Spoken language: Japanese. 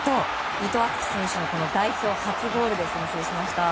伊藤敦樹選手の代表初ゴールで先制しました。